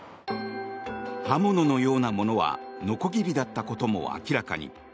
刃物のようなものはのこぎりだったことも明らかに。